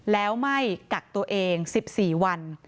แล้วไม่กักตัวเอง๑๔วัน